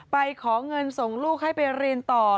ไปขอเงินส่งลูกให้ไปเรียนต่อ